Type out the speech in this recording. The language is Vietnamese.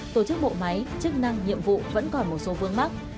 tổ chức bộ máy chức năng nhiệm vụ vẫn còn một số vương mắc